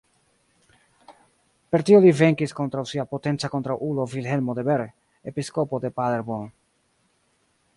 Per tio li venkis kontraŭ sia potenca kontraŭulo Vilhelmo de Berg, episkopo de Paderborn.